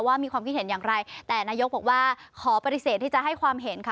มีความคิดเห็นอย่างไรแต่นายกบอกว่าขอปฏิเสธที่จะให้ความเห็นค่ะ